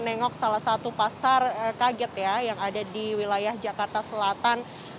menengok salah satu pasar kaget ya yang ada di wilayah jakarta selatan